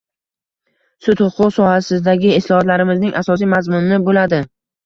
sud-huquq sohasidagi islohotlarimizning asosiy mazmuni bo‘ladi.